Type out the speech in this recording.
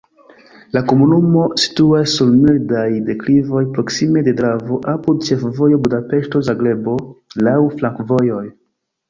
La komunumo situas sur mildaj deklivoj, proksime de Dravo, apud ĉefvojo Budapeŝto-Zagrebo, laŭ flankovojoj.